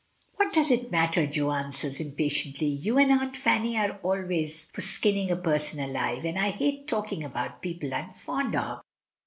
"What does it matter?" Jo answers, impatiently. "You and Aunt Fanny are always for skinning a person alive, and I hate talking about people Fm fond of."